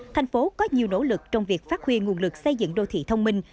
thành phố có nhiều nỗ lực trong việc phát huy nguồn lực xây dựng đô thị thông minh